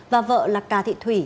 và vợ là cà thị thủy